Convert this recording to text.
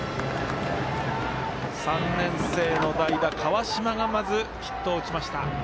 ３年生の代打、川島がまずヒットを打ちました。